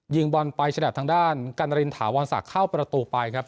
ยิงบอลไปฉลับทางด้านกันนารินถาวรศักดิ์เข้าประตูไปครับ